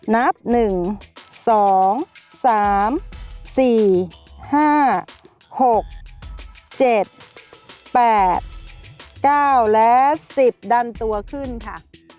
นับ๑๒๓๔๕๖๗๘๙และ๑๐ดันตัวขึ้นค่ะ